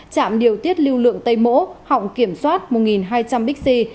trạm điều tiết lưu lượng tây mỗ họng kiểm soát một hai trăm linh bixi